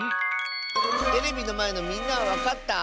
テレビのまえのみんなはわかった？